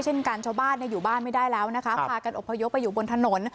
เช่นกันชาวบ้านอยู่บ้านไม่ได้แล้วนะคะพากันอบพยพไปอยู่บนถนน